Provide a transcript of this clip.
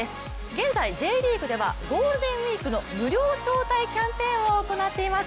現在Ｊリーグではゴールデンウイークの無料招待キャンペーンを行っています。